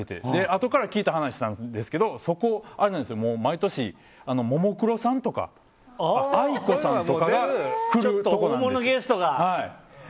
あとから聞いた話なんですけどそこ、毎年、ももクロさんとかａｉｋｏさんとかが来るところなんです。